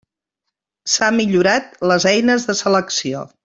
S'ha millorat les eines de selecció.